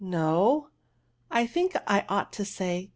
No, I think I ought to say.